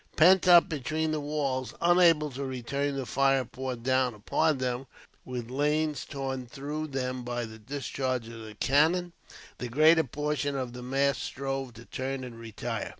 Pent up between the walls, unable to return the fire poured down upon them, with lanes torn through them by the discharge of the cannon, the greater portion of the mass strove to turn and retire.